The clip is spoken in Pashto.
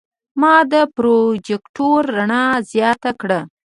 ما د پروجیکتور رڼا زیاته کړه.